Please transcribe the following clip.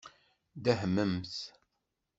Dehmemt.